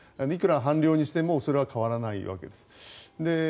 いくら半量にしてもそれは変わらないわけです。